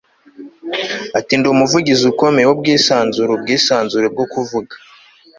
ati ndi umuvugizi ukomeye w'ubwisanzure ubwisanzure bwo kuvuga